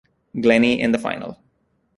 Glenny in the final.